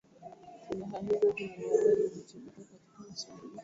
Silaha hizo zinadaiwa zilitumika katika mashambulizi